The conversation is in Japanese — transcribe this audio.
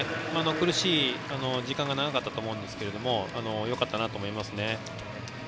苦しい時間が長かったと思いますがよかったなと思います。